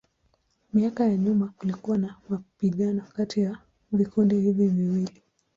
Miaka ya nyuma kulikuwa na mapigano kati ya vikundi hivi viwili.